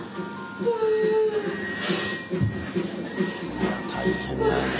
いや大変だよね